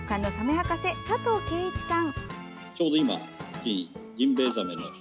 博士佐藤圭一さん。